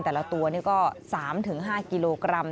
แต่ละตัวนี่ก็๓๕กิโลกรัม